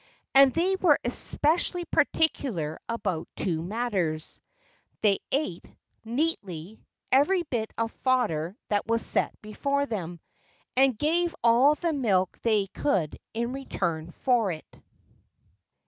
And they were especially particular about two matters. They ate neatly every bit of fodder that was set before them, and gave all the milk they could in return for it.